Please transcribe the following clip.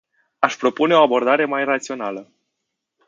Aș propune o abordare mai rațională.